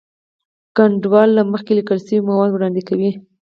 ګډونوال له مخکې لیکل شوي مواد وړاندې کوي.